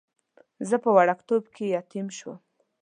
زه په وړکتوب کې یتیم شوم.